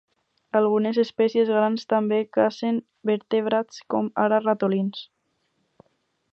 Algunes espècies grans també cacen vertebrats com ara ratolins.